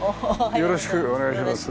よろしくお願いします。